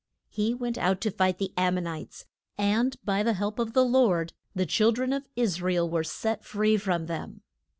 He went out to fight the Am mon ites, and by the help of the Lord the chil dren of Is ra el were set free from them.